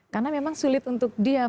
karena memang sulit untuk diam